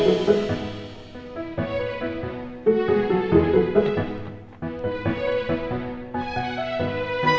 tidak di jaga